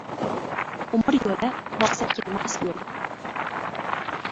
Umr yo‘li – borsa kelmas yo‘l.